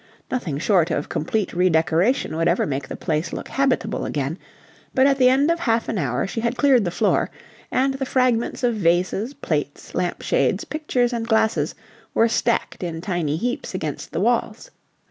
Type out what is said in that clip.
Nothing short of complete re decoration would ever make the place look habitable again, but at the end of half an hour she had cleared the floor, and the fragments of vases, plates, lamp shades, pictures and glasses were stacked in tiny heaps against the walls.